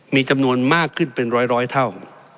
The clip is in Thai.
มีจำนวนมากขึ้นเป็นร้อยเท่า